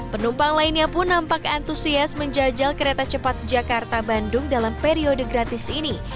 penumpang lainnya pun nampak antusias menjajal kereta cepat jakarta bandung dalam periode gratis ini